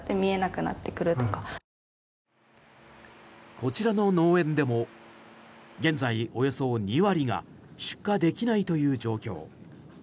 こちらの農園でも現在、およそ２割が出荷できないという状況。